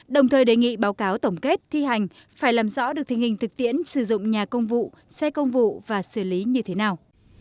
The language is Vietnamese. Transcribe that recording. đồng thời đề nghị báo cáo tổng kết thi hành phải làm rõ được tình hình thực tiễn sử dụng nhà công vụ xe công vụ và xử lý như thế nào